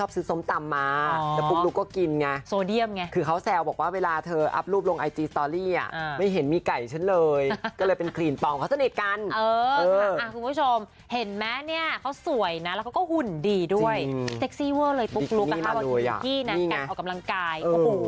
เซ็กซี่เวอร์เลยปุ๊กลุ๊กกับเขาก่อนที่กันออกกำลังกาย